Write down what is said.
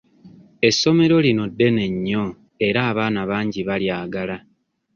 Essomero lino ddene nnyo era abaana bangi balyagala.